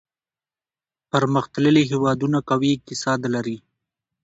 پرمختللي هېوادونه قوي اقتصاد لري.